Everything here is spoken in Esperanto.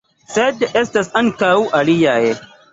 Sed estas ankaŭ aliaj.